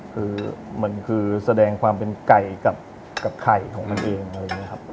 คือเหมือนคือแสดงความเป็นไก่กับไข่ของมันเองนะครับ